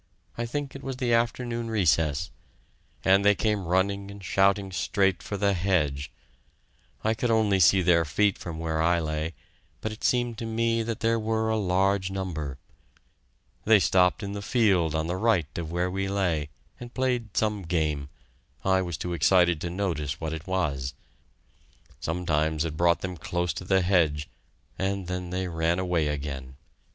I think it was the afternoon recess, and they came running and shouting straight for the hedge. I could only see their feet from where I lay, but it seemed to me that there were a large number. They stopped in the field on the right of where we lay, and played some game I was too excited to notice what it was. Sometimes it brought them close to the hedge, and then they ran away again.